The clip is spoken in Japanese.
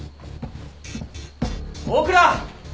大倉！